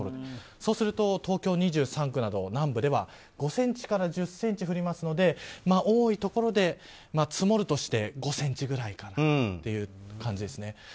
そうすると東京２３区など南部では５ｃｍから１０ｃｍ降りますので多いところで、積もるとして５ｃｍくらいかなという感じです。